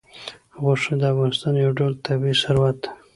غوښې د افغانستان یو ډول طبعي ثروت دی.